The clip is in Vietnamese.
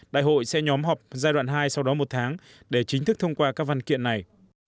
đại hội sẽ nhóm họp giai đoạn hai sau đó một tháng để chính thức thông qua các văn kiện này